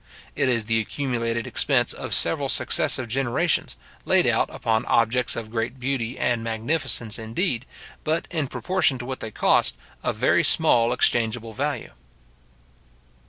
It is the accumulated expense of several successive generations, laid out upon objects of great beauty and magnificence, indeed, but, in proportion to what they cost, of very small exchangeable value.